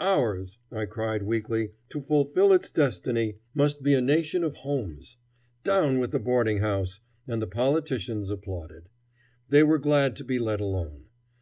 "Ours," I cried, weekly "to fulfil its destiny, must be a nation of homes. Down with the boarding house!" and the politicians applauded. They were glad to be let alone.